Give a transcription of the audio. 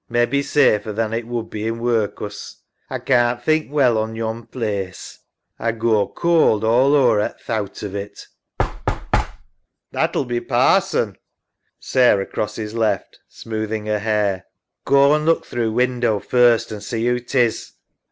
Mebbe safer than it would be in workus. A can't think well on yon plaice. A goa cold all ower at thowt of it. [A knock at the door. EMMA. That'll be Parson. SARAH (crosses left. Smoothing her hair). Goa an' look through window first, an' see who 'tis.